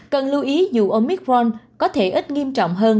cần lưu ý dù omicron có thể ít nghiêm trọng hơn